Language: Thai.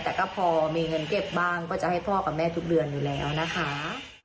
แต่ก็พอมีเงินเก็บบ้างก็จะให้พ่อกับแม่ทุกเดือนอยู่แล้วนะคะ